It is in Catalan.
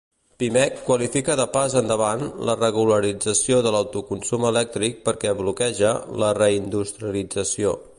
Pimec qualifica de “pas endavant” la regulació de l'autoconsum elèctric perquè “bloqueja” la reindustrialització.